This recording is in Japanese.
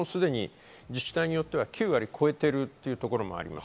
自治体によっては９割を超えているところもあります。